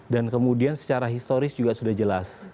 dan kemudian secara historis juga sudah jelas